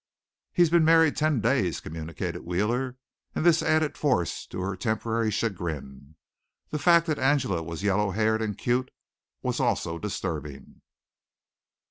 "He's been married ten days," communicated Wheeler, and this added force to her temporary chagrin. The fact that Angela was yellow haired and cute was also disturbing.